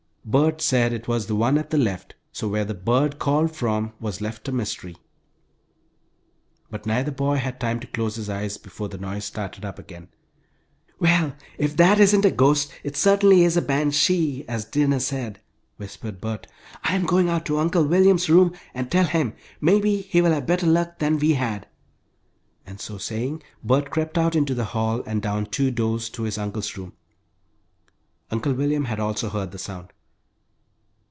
Bert said it was the one at the left, so where the "bird" called from was left a mystery. But neither boy had time to close his eyes before the noise started up again! "Well, if that isn't a ghost it certainly is a ban shee, as Dinah said," whispered Bert. "I'm going out to Uncle William's room and tell him. Maybe he will have better luck than we had," and so saying, Bert crept out into the hall and down two doors to his uncle's room. Uncle William had also heard the sound.